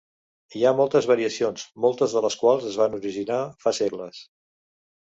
Hi ha moltes variacions, moltes de les quals es van originar fa segles.